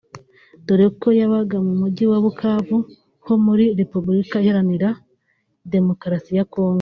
dore ko yabaga mu mujyi wa Bukavu ho muri Repubulika iharanira Demokarasi ya Congo